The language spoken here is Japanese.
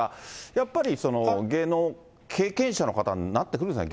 やっぱり芸能経験者の方になってくるんですかね、